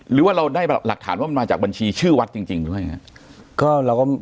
หรือว่าเราได้หลักฐานว่ามันมาจากบัญชีชื่อวัดจริงหรือว่าอย่างนี้